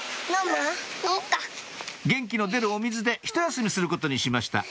元気の出るお水でひと休みすることにしました